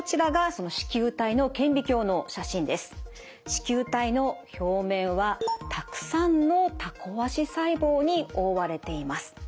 糸球体の表面はたくさんのタコ足細胞に覆われています。